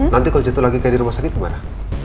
nanti kalau jatuh lagi kayak di rumah sakit gimana